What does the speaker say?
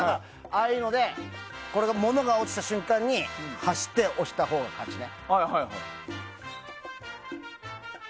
ああいうので物が落ちた瞬間に走って押したほうが勝ちね。